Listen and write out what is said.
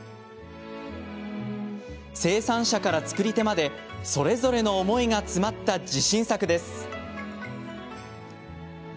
生産者から作り手までそれぞれの思いが詰まった自信作です。